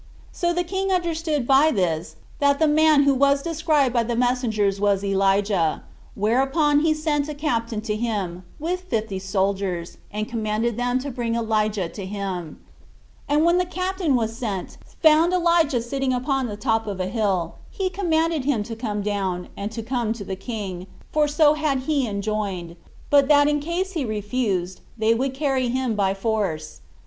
So the king understood by this that the man who was described by the messengers was Elijah; whereupon he sent a captain to him, with fifty soldiers, and commanded them to bring Elijah to him; and when the captain that was sent found Elijah sitting upon the top of a hill, he commanded him to come down, and to come to the king, for so had he enjoined; but that in case he refused, they would carry him by force.